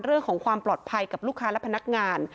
เรื่องของความปลอดภัยกับลูกค้าและพนักงาน